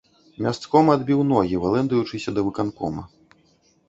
Мясцком адбіў ногі, валэндаючыся да выканкома.